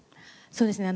そうですね。